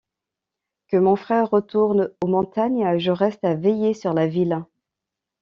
Que mon frère retourne aux montagnes, je reste à veiller sur la ville.